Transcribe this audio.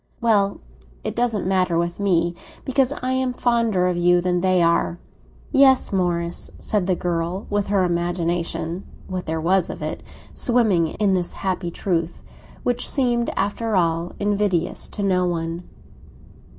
"Well, it doesn't matter with me, because I am fonder of you than they are." "Yes, Morris," said the girl, with her imagination—what there was of it—swimming in this happy truth, which seemed, after all, invidious to no one.